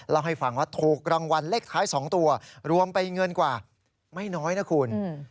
เล่าให้ฟังว่าถูกรางวัลเลขท้าย๒ตัวรวมไปเงินกว่าไม่น้อยนะคุณ